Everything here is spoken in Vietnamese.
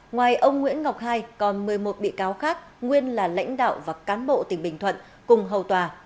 ngoài ông nguyễn ngọc hai còn một mươi một bị cáo khác nguyên là lãnh đạo và cán bộ tỉnh bình thuận cùng hầu tòa